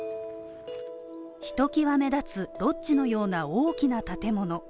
ひときわ目立つ、ロッジのような大きな建物。